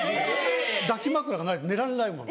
抱き枕がないと寝られないもの。